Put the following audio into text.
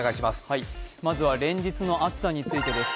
まずは連日の暑さについてです。